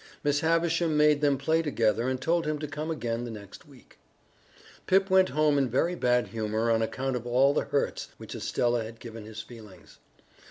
Miss Havisham made them play together and told him to come again the next week. Pip went home in very bad humor on account of all the hurts which Estella had given his feelings.